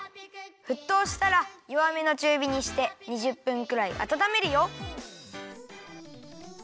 ふっとうしたらよわめのちゅうびにして２０分くらいあたためるよ！